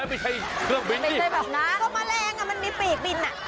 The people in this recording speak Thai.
มันมีปลีกบินน่ะ